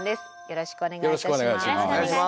よろしくお願いします。